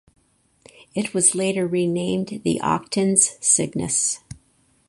It was later renamed the Octans Cygnus.